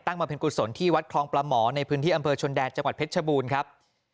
มาเป็นกุศลที่วัดคลองปลาหมอในพื้นที่อำเภอชนแดนจังหวัดเพชรชบูรณ์ครับ